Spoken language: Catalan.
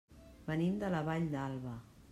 Venim de la Vall d'Alba.